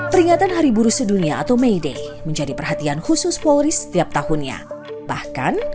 peringatan hari buruh sedunia atau meide menjadi perhatian khusus polris setiap tahunnya bahkan